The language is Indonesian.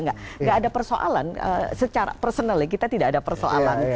nggak ada persoalan secara personal ya kita tidak ada persoalan